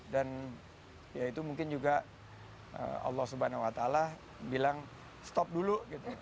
dan ya itu mungkin juga allah swt bilang stop dulu